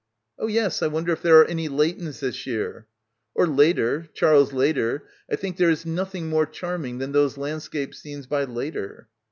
"Oh yes, I wonder if there are any Leightons this year," "Or Leader. Charles Leader. I think there is nothing more charming than those landscape scenes by Leader."